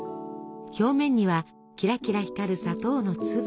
表面にはキラキラ光る砂糖の粒。